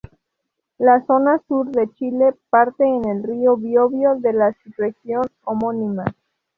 La zona sur de Chile parte en el río Biobío, de la región homónima.